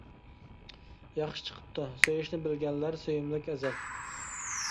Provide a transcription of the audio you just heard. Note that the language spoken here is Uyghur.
ياخشى چىقىپتۇ سۆيۈشنى بىلگەنلەر سۆيۈملۈك ئەزەل.